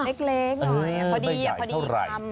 เล็กหน่อยพอดีพอดีคำ